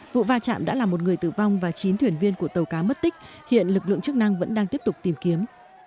vụ va chạm đã làm một người tử vong và chín thuyền viên của tàu cá mất tích hiện lực lượng chức năng vẫn đang tiếp tục tìm kiếm